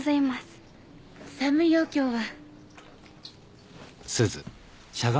寒いよ今日は。